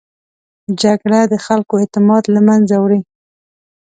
جګړه د خلکو اعتماد له منځه وړي